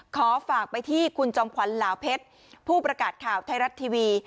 ขอฝากไปที่คุณจอมขวัญเหลาเพชรผู้ประกาศข่าวไทยรัฐทีวี